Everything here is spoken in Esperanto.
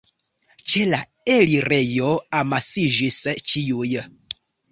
Ĉe la elirejo amasiĝis ĉiuj.